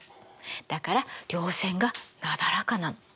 だから稜線がなだらかなの。